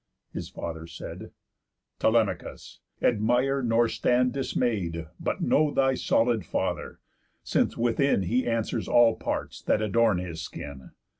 His father said: "Telemachus! Admire, nor stand dismay'd, But know thy solid father; since within He answers all parts that adorn his skin.